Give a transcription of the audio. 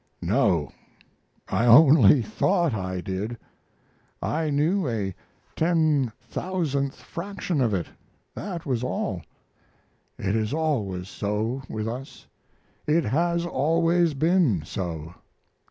No, I only thought I did. I knew a ten thousandth fraction of it, that was all. It is always so, with us, it has always been so.